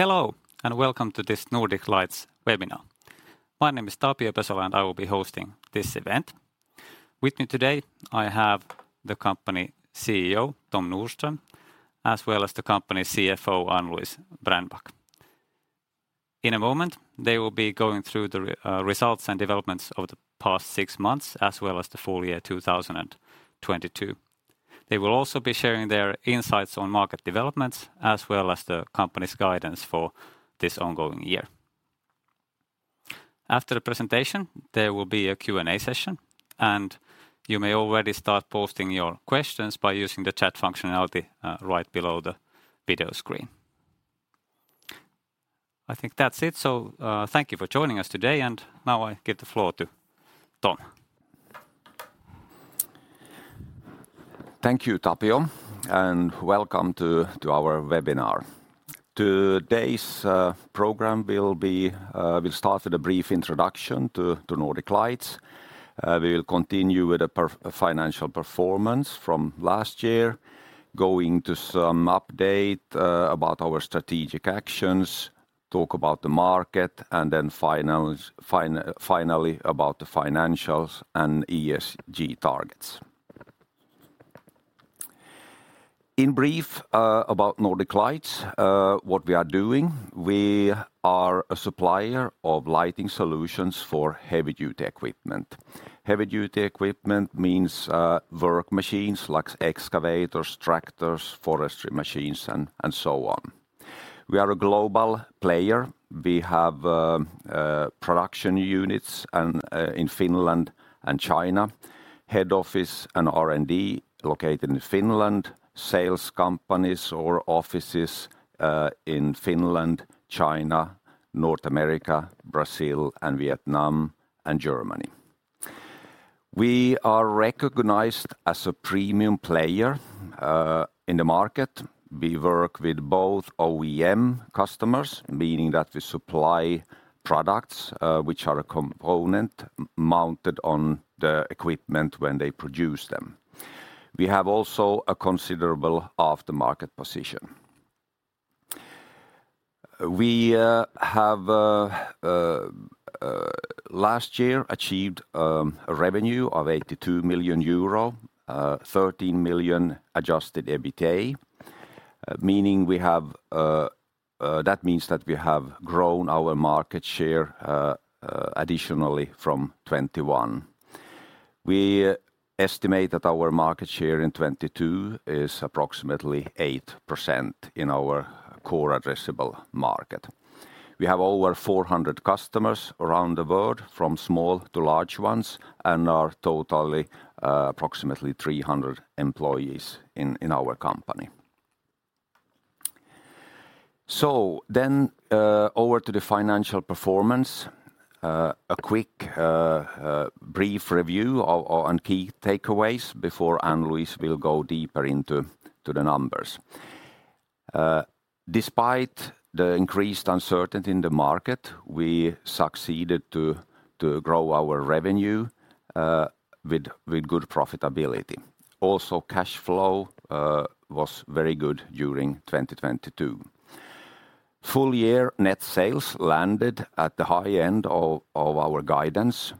Hello, welcome to this Nordic Lights webinar. My name is Tapio Pesola, and I will be hosting this event. With me today I have the company CEO, Tom Nordström, as well as the company CFO, Ann-Louise Brännback. In a moment, they will be going through the results and developments of the past 6 months, as well as the full year 2022. They will also be sharing their insights on market developments, as well as the company's guidance for this ongoing year. After the presentation, there will be a Q&A session, and you may already start posting your questions by using the chat functionality right below the video screen. I think that's it, thank you for joining us today, and now I give the floor to Tom. Thank you, Tapio, and welcome to our webinar. Today's program will be, we'll start with a brief introduction to Nordic Lights. We will continue with a financial performance from last year, going to some update about our strategic actions, talk about the market, and then finally, about the financials and ESG targets. In brief, about Nordic Lights, what we are doing, we are a supplier of lighting solutions for heavy-duty equipment. Heavy-Duty equipment means work machines, like excavators, tractors, forestry machines, and so on. We are a global player. We have production units in Finland and China, head office and R&D located in Finland, sales companies or offices in Finland, China, North America, Brazil, and Vietnam, and Germany. We are recognized as a premium player in the market. We work with both OEM customers, meaning that we supply products, which are a component mounted on the equipment when they produce them. We have also a considerable aftermarket position. We have last year achieved a revenue of 82 million euro, 13 million adjusted EBITA, meaning we have that means that we have grown our market share additionally from 2021. We estimate that our market share in 2022 is approximately 8% in our core addressable market. We have over 400 customers around the world, from small to large ones, and are totally approximately 300 employees in our company. Over to the financial performance. A quick brief review and key takeaways before Ann-Louise Brännback will go deeper into the numbers. Despite the increased uncertainty in the market, we succeeded to grow our revenue with good profitability. Also, cash flow was very good during 2022. Full year net sales landed at the high end of our guidance,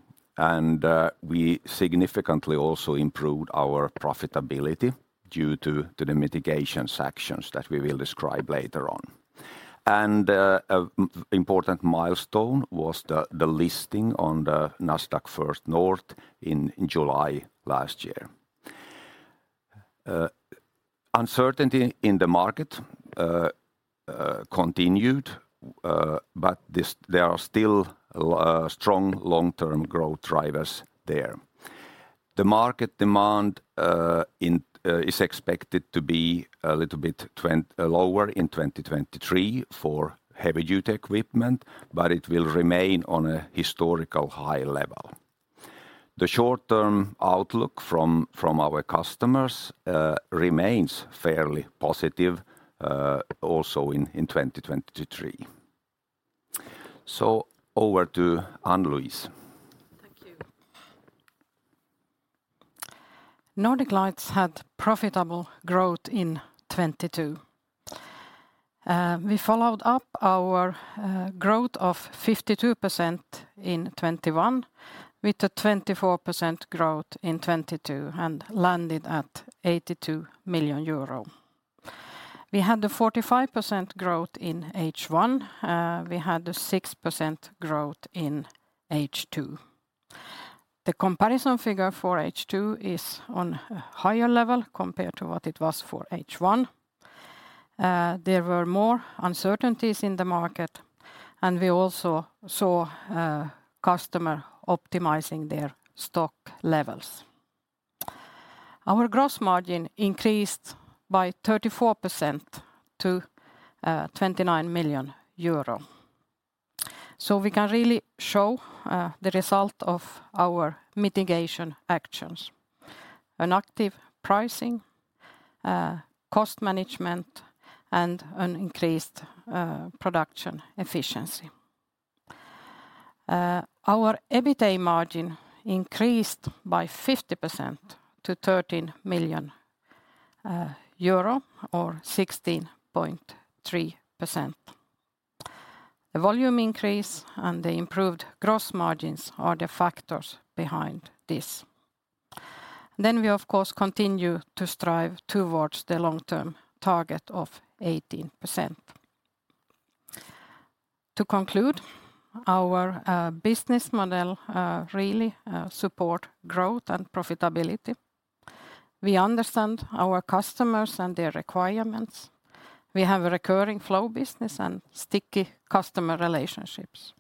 we significantly also improved our profitability due to the mitigations actions that we will describe later on. Important milestone was the listing on the Nasdaq First North in July last year. Uncertainty in the market continued, there are still strong Long-Term growth drivers there. The market demand is expected to be a little bit lower in 2023 for Heavy-Duty equipment, but it will remain on a historical high level. The Long-Term outlook from our customers remains fairly positive also in 2023. over to Ann-Louise. Thank you. Nordic Lights had profitable growth in 2022. We followed up our growth of 52% in 2021 with a 24% growth in 2022 and landed at 82 million euro. We had a 45% growth in H1. We had a 6% growth in H2. The comparison figure for H2 is on a higher level compared to what it was for H1. There were more uncertainties in the market, and we also saw customer optimizing their stock levels. Our gross margin increased by 34% to 29 million euro. We can really show the result of our mitigation actions, an active pricing, cost management, and an increased production efficiency. Our EBITA margin increased by 50% to 13 million euro or 16.3%. The volume increase and the improved gross margins are the factors behind this. We, of course, continue to strive towards the Long-Term target of 18%. To conclude, our business model really support growth and profitability. We understand our customers and their requirements. We have a recurring flow business and sticky customer relationships.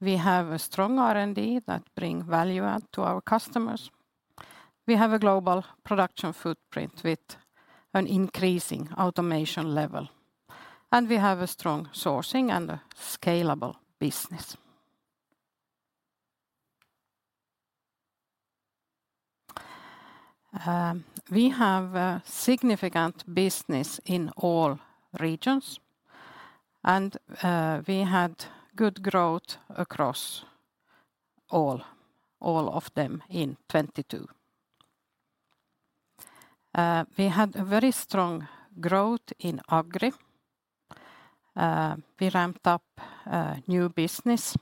We have a strong R&D that bring value add to our customers. We have a global production footprint with an increasing automation level, and we have a strong sourcing and a scalable business. We have a significant business in all regions, and we had good growth across all of them in 2022. We had a very strong growth in Agriculture. We ramped up new business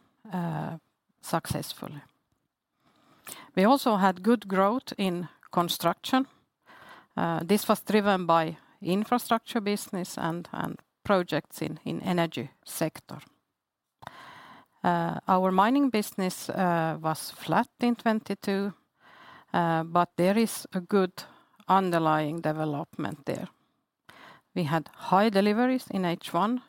successfully. We also had good growth in construction. This was driven by infrastructure business and projects in energy sector. Our mining business was flat in 2022, there is a good underlying development there. We had high deliveries in H1,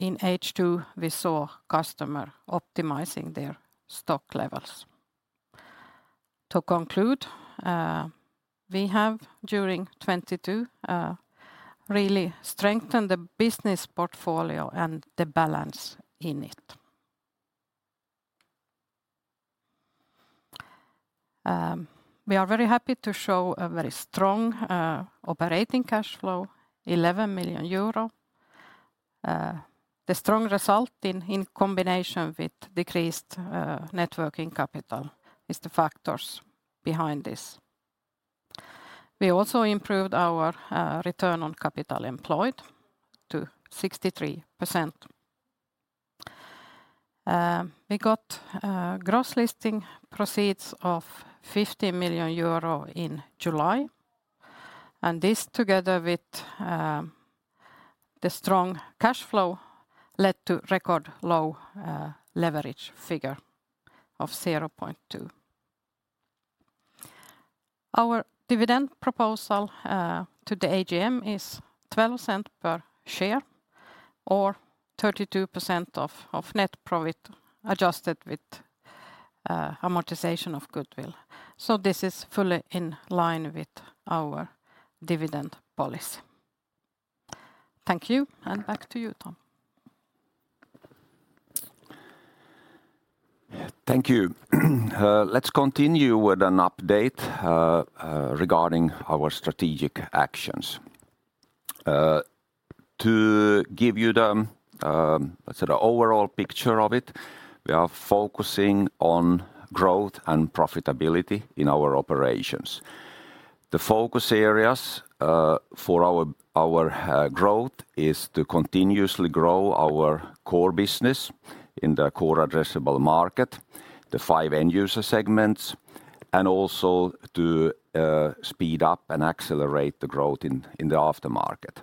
in H2, we saw customer optimizing their stock levels. To conclude, we have, during 2022, really strengthened the business portfolio and the balance in it. We are very happy to show a very strong operating cash flow, 11 million euro. The strong result in combination with decreased net working capital is the factors behind this. We also improved our Return on Capital Employed to 63%. We got gross listing proceeds of 50 million euro in July. This together with the strong cash flow led to record low leverage figure of 0.2. Our dividend proposal to the AGM is 0.12 per share, or 32% of net profit adjusted with amortization of goodwill. This is fully in line with our dividend policy. Thank you. Back to you, Tom. Thank you. Let's continue with an update regarding our strategic actions. To give you the, let's say the overall picture of it, we are focusing on growth and profitability in our operations. The focus areas for our growth is to continuously grow our core business in the core addressable market, the five end user segments, and also to speed up and accelerate the growth in the aftermarket.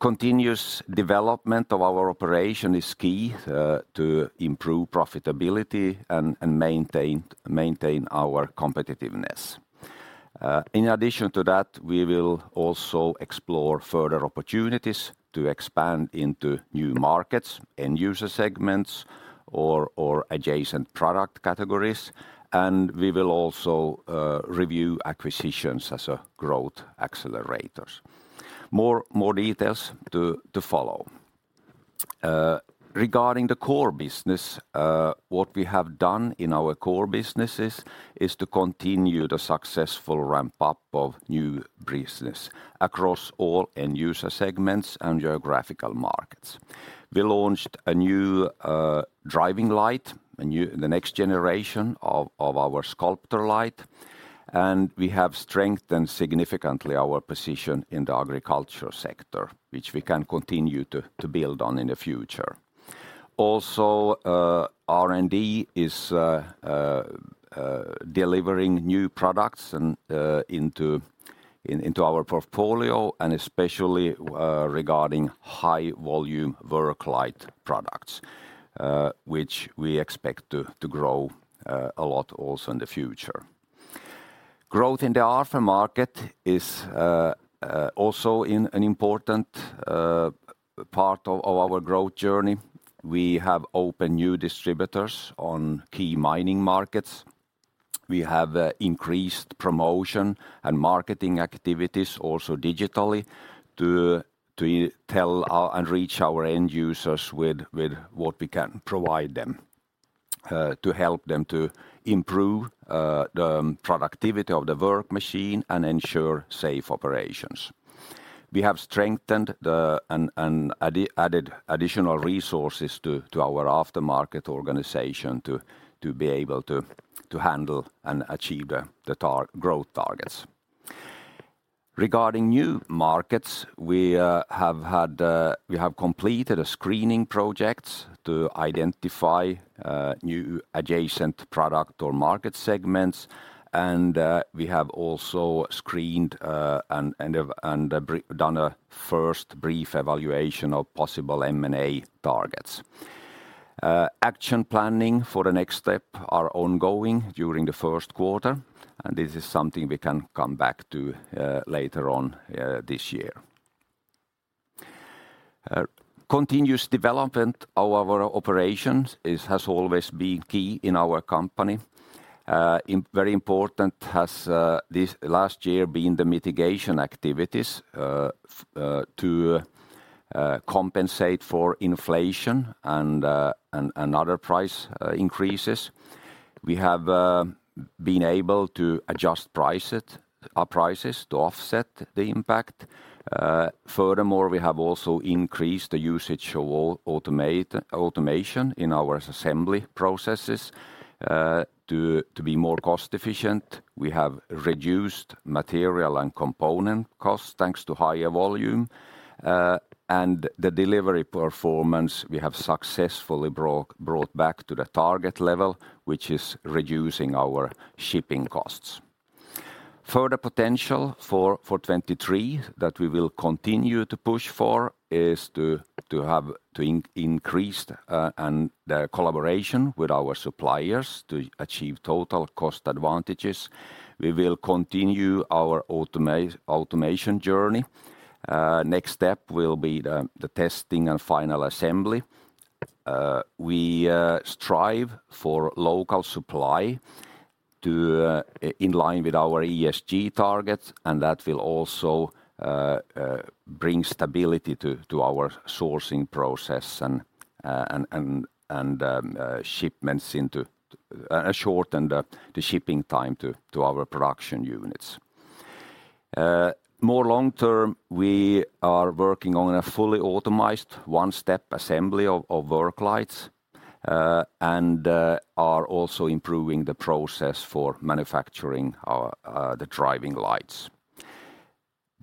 Continuous development of our operation is key to improve profitability and maintain our competitiveness. In addition to that, we will also explore further opportunities to expand into new markets, end user segments or adjacent product categories, and we will also review acquisitions as growth accelerators. More details to follow. Uh, regarding the core business, uh, what we have done in our core businesses is to continue the successful ramp up of new business across all end user segments and geographical markets. We launched a new, uh, driving light, a new-- the next generation of, of our SCULPTOR light, and we have strengthened significantly our position in the agriculture sector, which we can continue to, to build on in the future. Also, uh, R&D is, uh, uh, delivering new products and, uh, into, in, into our portfolio, and especially, uh, regarding high volume work light products, uh, which we expect to, to grow, uh, a lot also in the future. Growth in the aftermarket is, uh, uh, also an, an important, uh, part of, of our growth journey. We have opened new distributors on key mining markets. We have increased promotion and marketing activities also digitally to tell our and reach our end users with what we can provide them. To help them to improve the productivity of the work machine and ensure safe operations. We have strengthened and added additional resources to our aftermarket organization to be able to handle and achieve the growth targets. Regarding new markets, we have completed a screening project to identify new adjacent product or market segments. We have also screened and have done a first brief evaluation of possible M&A targets. Action planning for the next step are ongoing during the first 1/4, this is something we can come back to later on this year. Continuous development of our operations has always been key in our company. Very important has this last year been the mitigation activities to compensate for inflation and other price increases. We have been able to adjust prices, our prices to offset the impact. Furthermore, we have also increased the usage of automation in our assembly processes to be more cost efficient. We have reduced material and component costs thanks to higher volume. The delivery performance we have successfully brought back to the target level, which is reducing our shipping costs. Further potential for 2023 that we will continue to push for is to have increased collaboration with our suppliers to achieve total cost advantages. We will continue our automation journey. Next step will be the testing and final assembly. We strive for local supply to in line with our ESG targets, and that will also bring stability to our sourcing process and shipments into... Shorten the shipping time to our production units. More long term, we are working on a fully automized One-Step assembly of work lights, and are also improving the process for manufacturing our the driving lights.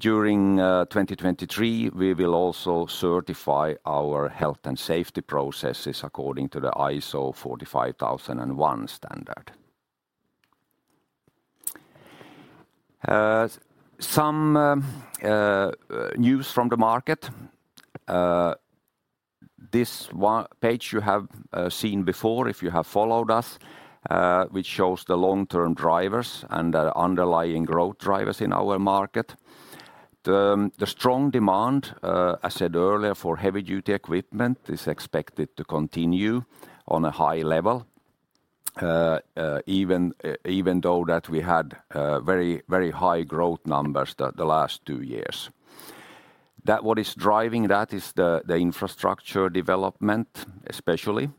During 2023, we will also certify our health and safety processes according to the ISO 45001 standard. Some news from the market. This 1 page you have seen before if you have followed us, which shows the Long-Term drivers and the underlying growth drivers in our market. The strong demand, I said earlier, for heavy-duty equipment is expected to continue on a high level, even though that we had very, very high growth numbers the last 2 years. That what is driving that is the infrastructure development, especially.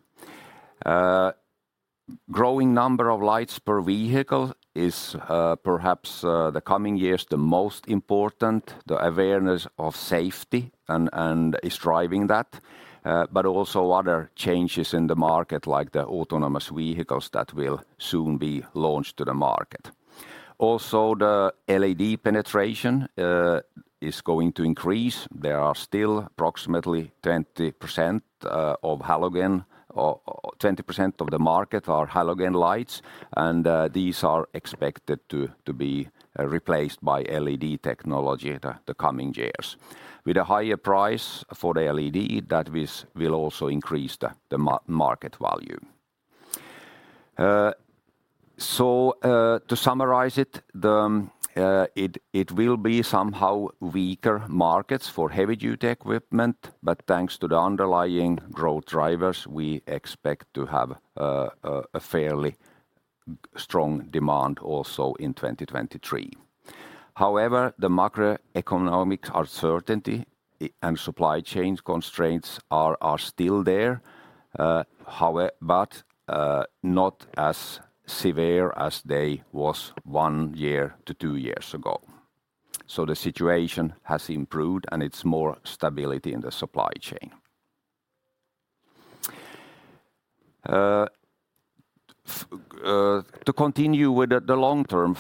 Growing number of lights per vehicle is perhaps the coming years the most important. The awareness of safety and is driving that, but also other changes in the market like the autonomous vehicles that will soon be launched to the market. Also, the LED penetration is going to increase. There are still approximately 20% of halogen or 20% of the market are halogen lights, and these are expected to be replaced by LED technology the coming years. With a higher price for the LED, that is, will also increase the market value. To summarize it will be somehow weaker markets for Heavy-Duty equipment, but thanks to the underlying growth drivers, we expect to have a fairly strong demand also in 2023. However, the macroeconomic uncertainty and supply chain constraints are still there. Not as severe as they was 1 year to 2 years ago. The situation has improved, and it's more stability in the supply chain. To continue with the Long-Term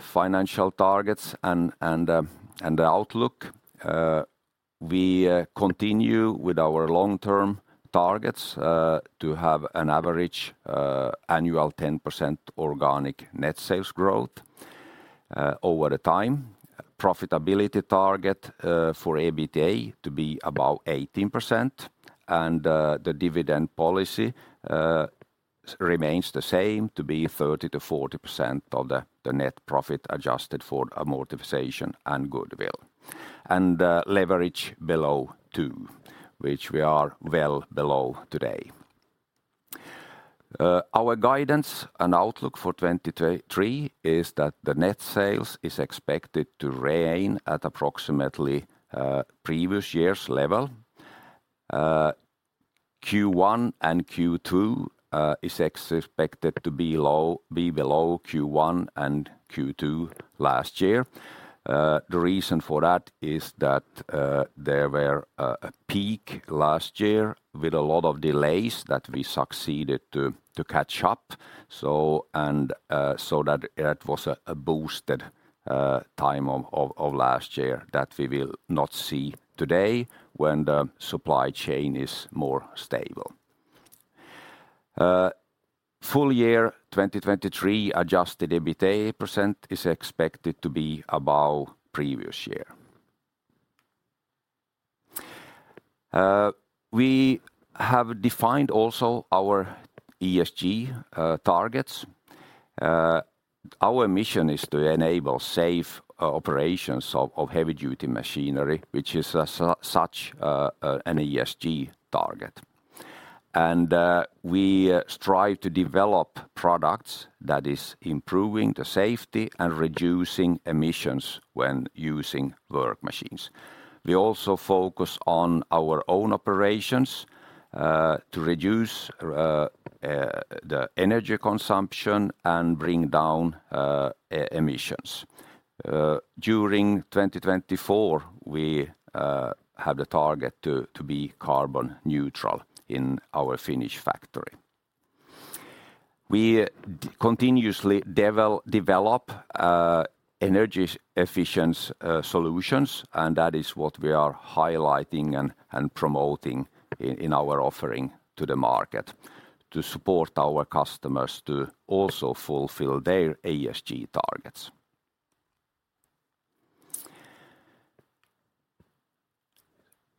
financial targets and the outlook, we continue with our Long-Term targets to have an average annual 10% organic net sales growth over the time. Profitability target for EBITDA to be above 18%, the dividend policy remains the same to be 30%-40% of the net profit adjusted for amortization and goodwill. Leverage below 2, which we are well below today. Our guidance and outlook for 2023 is that the net sales is expected to rein at approximately previous year's level. Q1 and Q2 is expected to be below Q1 and Q2 last year. The reason for that is that there were a peak last year with a lot of delays that we succeeded to catch up. It was a boosted time of last year that we will not see today when the supply chain is more stable. Full year 2023 adjusted EBITA% is expected to be above previous year. We have defined also our ESG targets. Our mission is to enable safe operations of heavy duty machinery, which is such an ESG target. We strive to develop products that is improving the safety and reducing emissions when using work machines. We also focus on our own operations to reduce the energy consumption and bring down emissions. During 2024, we have the target to be carbon neutral in our Finnish factory. We continuously develop energy solutions, and that is what we are highlighting and promoting in our offering to the market to support our customers to also fulfill their ESG targets.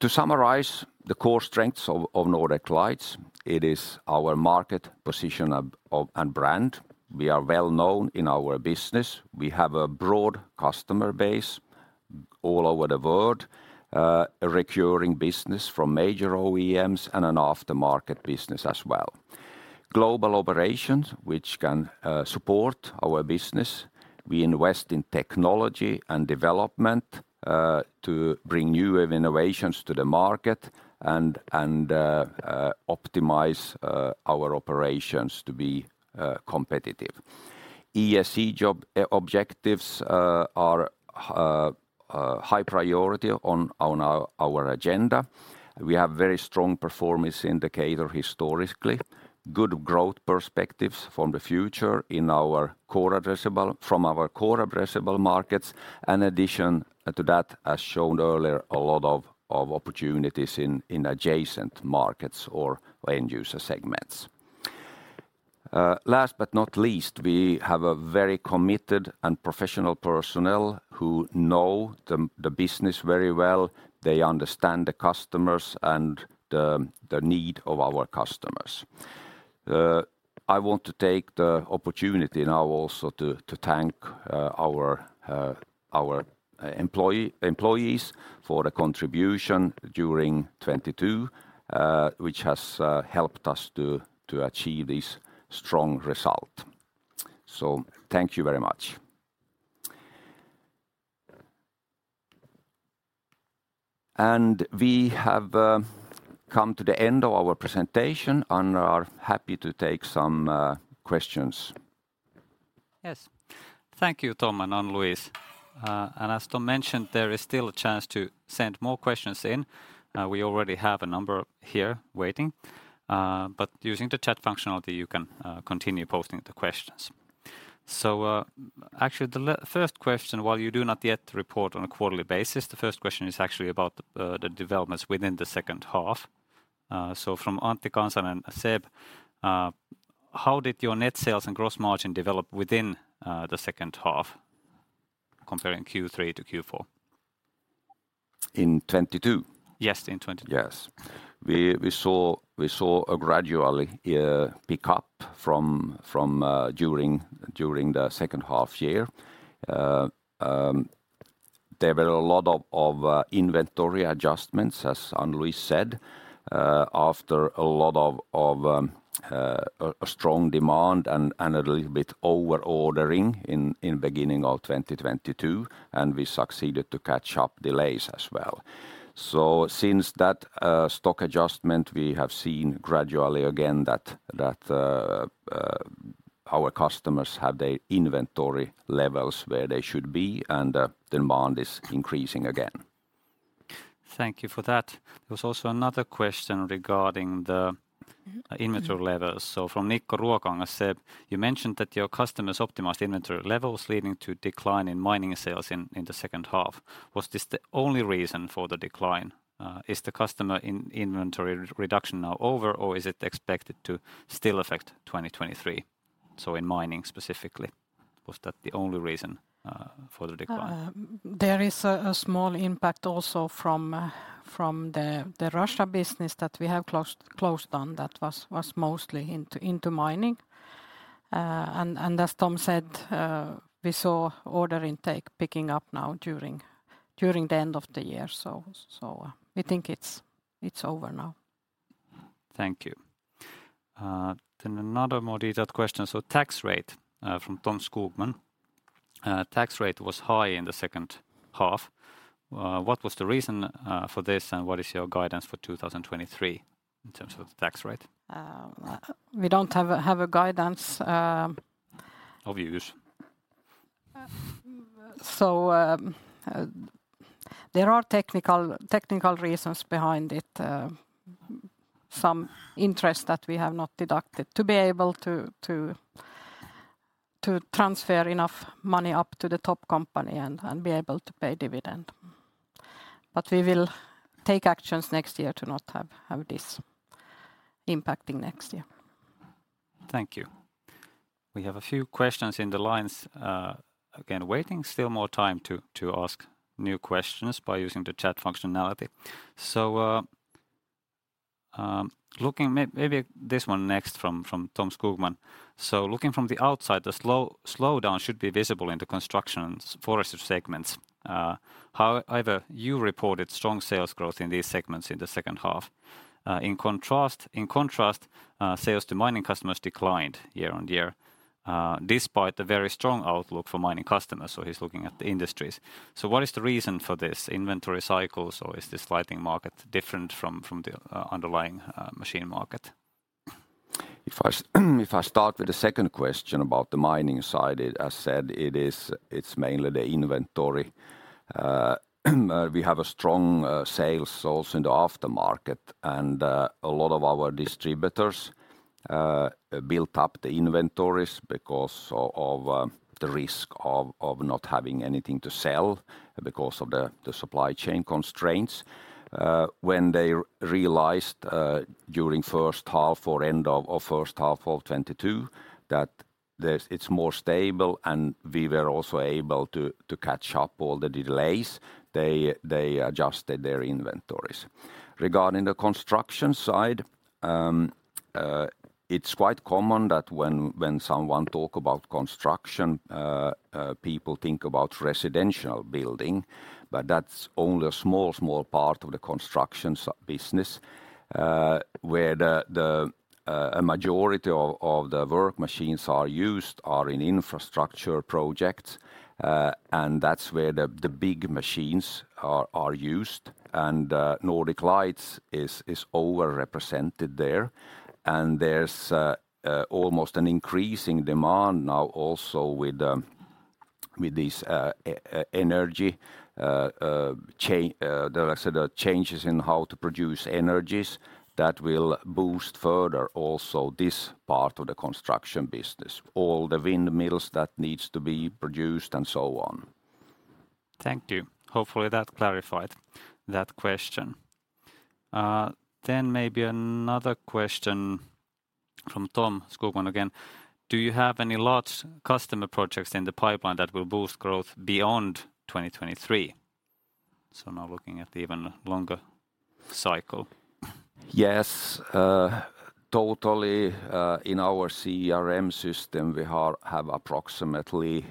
To summarize the core strengths of Nordic Lights Group, it is our market position and brand. We are well-known in our business. We have a broad customer base all over the world. A recurring business from major OEMs and an aftermarket business as well. Global operations which can support our business. We invest in technology and development to bring new innovations to the market and optimize our operations to be competitive. ESG objectives are high priority on our agenda. We have very strong performance indicator historically. Good growth perspectives from the future in our core addressable markets. In addition to that, as shown earlier, a lot of opportunities in adjacent markets or end user segments. Last but not least, we have a very committed and professional personnel who know the business very well. They understand the customers and the need of our customers. I want to take the opportunity now also to thank our employees for the contribution during 2022, which has helped us to achieve this strong result. Thank you very much. We have come to the end of our presentation and are happy to take some questions. Yes. Thank you, Tom and Ann-Louise. As Tom mentioned, there is still a chance to send more questions in. We already have a number here waiting. Using the chat functionality, you can continue posting the questions. Actually, the first question, while you do not yet report on a quarterly basis, the first question is actually about the developments within the second 1/2. From Nikko Ruokangas and SEB, how did your net sales and gross margin develop within the second 1/2 comparing Q3 to Q4? In 2022? Yes, in 2022. Yes. We saw a gradually pickup from during the second 1/2 year. There were a lot of inventory adjustments, as Ann-Louise said, after a lot of a strong demand and a little bit over-ordering in beginning of 2022, and we succeeded to catch up delays as well. Since that stock adjustment, we have seen gradually again that our customers have their inventory levels where they should be and demand is increasing again. Thank you for that. There was also another question regarding. Mm-hmm inventory levels. From Nikko Ruokangas, SEB, you mentioned that your customers optimized inventory levels leading to decline in mining sales in the second 1/2. Was this the only reason for the decline? Is the customer inventory reduction now over or is it expected to still affect 2023? In mining specifically, was that the only reason for the decline? There is a small impact also from the Russia business that we have closed down that was mostly into mining. As Tom said, we saw order intake picking up now during the end of the year. We think it's over now. Thank you. Another more detailed question. Tax rate, from Caj-Anders Skog. Tax rate was high in the second 1/2. What was the reason for this, and what is your guidance for 2023 in terms of the tax rate? we don't have a guidance. Of use. There are technical reasons behind it. Some interest that we have not deducted to be able to transfer enough money up to the top company and be able to pay dividend. We will take actions next year to not have this impacting next year. Thank you. We have a few questions in the lines, again, waiting still more time to ask new questions by using the chat functionality. Looking maybe this 1 next from Caj-Anders Skog. Looking from the outside, the slowdown should be visible in the construction and forestry segments. However, you reported strong sales growth in these segments in the second 1/2. In contrast, sales to mining customers declined year on year, despite the very strong outlook for mining customers. He's looking at the industries. What is the reason for this? Inventory cycles or is this lighting market different from the underlying machine market? If I start with the second question about the mining side, as said, it's mainly the inventory. We have a strong sales also in the aftermarket and a lot of our distributors built up the inventories because of the risk of not having anything to sell because of the supply chain constraints. When they realized during first 1/2 or end of or first 1/2 of 2022 that it's more stable and we were also able to catch up all the delays, they adjusted their inventories. Regarding the construction side, it's quite common that when someone talk about construction, people think about residential building, but that's only a small part of the constructions business. Where the majority of the work machines are used are in infrastructure projects. That's where the big machines are used and Nordic Lights is overrepresented there. There's almost an increasing demand now also with this energy, there are, sort of, changes in how to produce energies that will boost further also this part of the construction business. All the windmills that needs to be produced and so on. Thank you. Hopefully that clarified that question. Maybe another question from Caj-Anders Skog again. Do you have any large customer projects in the pipeline that will boost growth beyond 2023? Now looking at the even longer cycle. Yes. Totally, in our CRM system we have approximately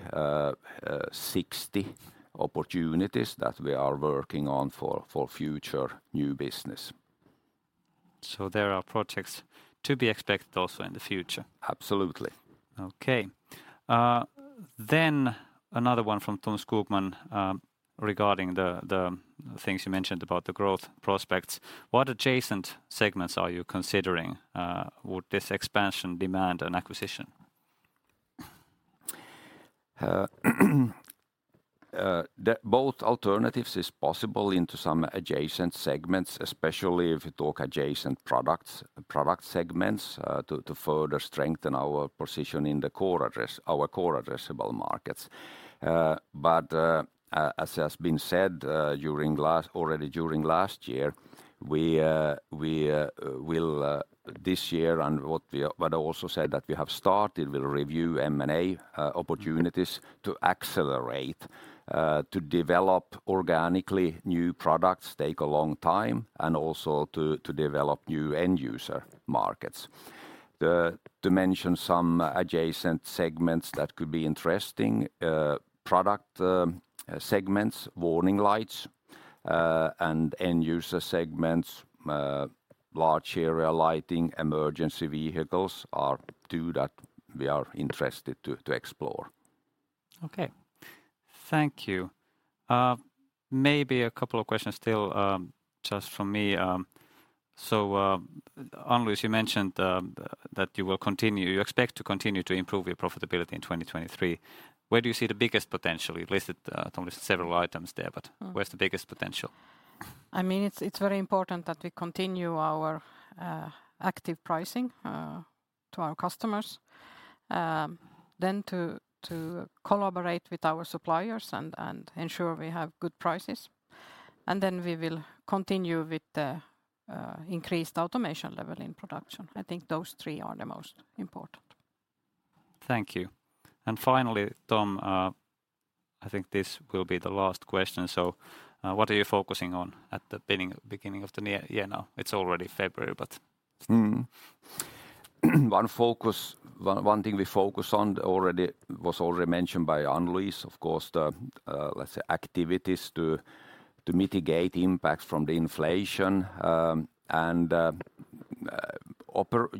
60 opportunities that we are working on for future new business. There are projects to be expected also in the future? Absolutely. Okay. Another 1 from Caj-Anders Skog, regarding the things you mentioned about the growth prospects: What adjacent segments are you considering? Would this expansion demand an acquisition? The... Both alternatives is possible into some adjacent segments, especially if you talk adjacent products, product segments, to further strengthen our position in our core addressable markets. As has been said, already during last year, we will this year and what we are... I also said that we have started, we'll review M&A opportunities to accelerate to develop organically new products take a long time and also to develop new end user markets. The... To mention some adjacent segments that could be interesting, product segments, warning lights, and end user segments, large area lighting, emergency vehicles are 2 that we are interested to explore. Okay. Thank you. Maybe a couple of questions still, just from me. Ann-Louise, you mentioned that You expect to continue to improve your profitability in 2023. Where do you see the biggest potential? You listed, Tom listed several items there, but- Mm... where's the biggest potential? I mean, it's very important that we continue our active pricing to our customers. To collaborate with our suppliers and ensure we have good prices. We will continue with the increased automation level in production. I think those 3 are the most important. Thank you. Finally, Tom, I think this will be the last question. What are you focusing on at the beginning of the year now? It's already February, but... 1 thing we focus on already was already mentioned by Ann-Louise, of course, the, let's say, activities to mitigate impact from the inflation, and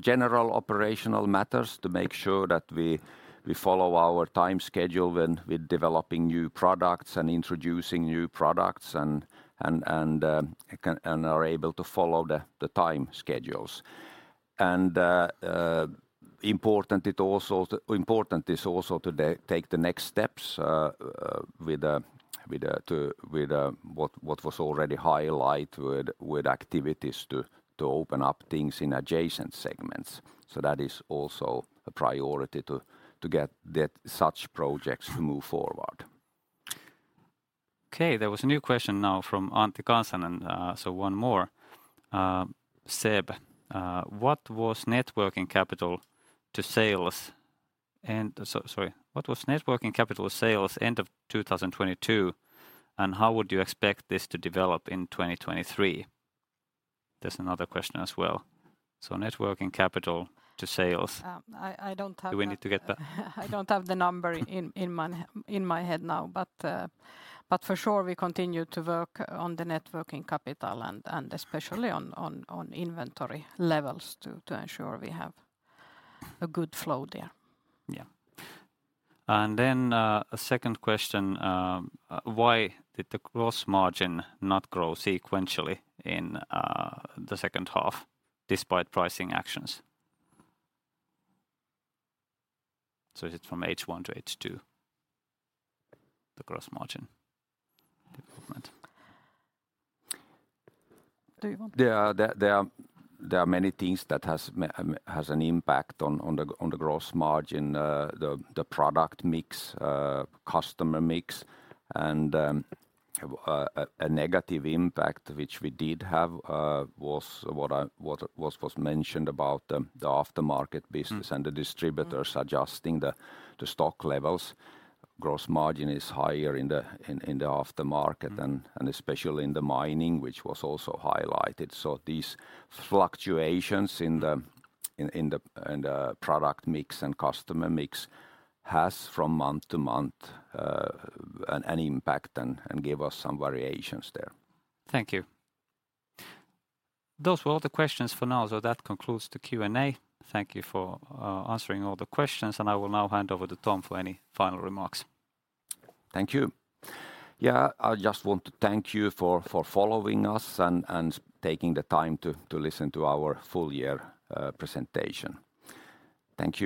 general operational matters to make sure that we follow our time schedule when we're developing new products and introducing new products and are able to follow the time schedules. Important is also to take the next steps with what was already highlighted with activities to open up things in adjacent segments. That is also a priority to get the such projects to move forward. Okay. There was a new question now from Nikko Ruokangas, 1 more. SEB, what was net working capital to sales? sorry. What was net working capital to sales end of 2022, and how would you expect this to develop in 2023? There's another question as well. net working capital to sales. I don't have the-. Do we need to get? I don't have the number in my head now. For sure we continue to work on the net working capital and especially on inventory levels to ensure we have a good flow there. Yeah. A second question. Why did the gross margin not grow sequentially in the second 1/2 despite pricing actions? Is it from H1 to H2, the gross margin development? Do you want- There are many things that has an impact on the gross margin. The product mix, customer mix and a negative impact which we did have, was what was mentioned about the after market business. Mm-hmm... and the distributors adjusting the stock levels. Gross margin is higher in the after market. Mm-hmm... and especially in the mining, which was also highlighted. These fluctuations in the Mm-hmm... in the product mix and customer mix has from month to month, an impact and give us some variations there. Thank you. Those were all the questions for now. That concludes the Q&A. Thank you for answering all the questions. I will now hand over to Tom for any final remarks. Thank you. Yeah, I just want to thank you for following us and taking the time to listen to our full year presentation. Thank you.